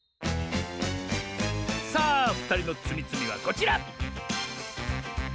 さあふたりのつみつみはこちら！